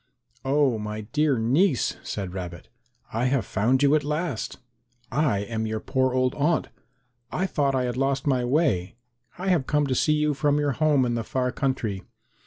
"Oh, my dear niece," said Rabbit, "I have found you at last. I am your poor old aunt. I thought I had lost my way. I have come to see you from your home in the far country.